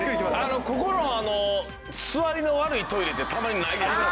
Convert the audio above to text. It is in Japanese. ここの座りの悪いトイレってたまにないですか？